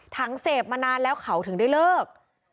เสพมานานแล้วเขาถึงได้เลิก